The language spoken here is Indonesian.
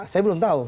saya belum tahu